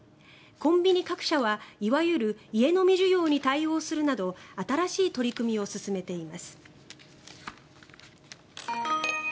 コンビニ各社はいわゆる家飲み需要に対応するなど新しい取り組みを進めています。